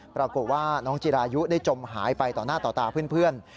ปรากฏว่าน้องจิรายุได้จมหายไปต่อหน้าต่อตาเพื่อน